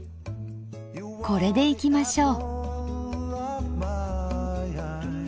これでいきましょう。